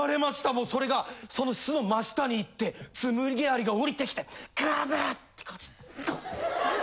もうそれがその巣の真下に行ってツムギアリがおりてきてガブってかじって。